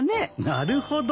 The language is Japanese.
なるほど。